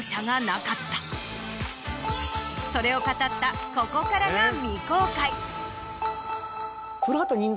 それを語ったここからが未公開。